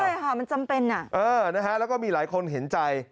ใช่ค่ะมันจำเป็นนะครับเออนะฮะแล้วก็มีหลายคนเห็นใจ